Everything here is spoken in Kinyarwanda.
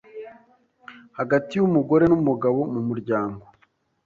hagati y'umugore n'umugabo mu muryango.